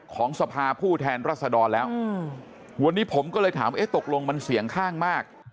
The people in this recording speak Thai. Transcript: ของสภาผู้แทนรัศดรแล้ววันนี้ผมก็เลยถามเอ๊ะตกลงมันเสี่ยงข้างมาก